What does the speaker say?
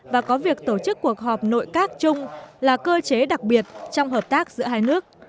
và có việc tổ chức cuộc họp nội các chung là cơ chế đặc biệt trong hợp tác giữa hai nước